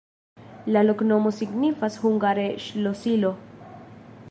La loknomo signifas hungare: ŝlosilo.